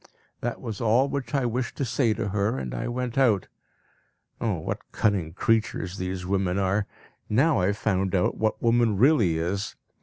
That was all which I wished to say to her, and I went out. Oh, what cunning creatures these women are! Now I have found out what woman really is.